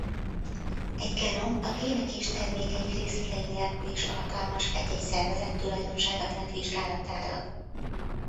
Egy genom a gének és termékeik részletei nélkül is alkalmas egy-egy szervezet tulajdonságainak vizsgálatára.